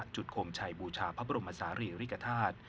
จุดโขมชัยบูชาพระบรมศาเรียิริกภาษ